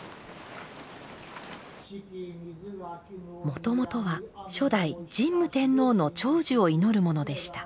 もともとは初代神武天皇の長寿を祈るものでした。